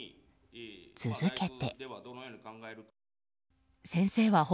続けて。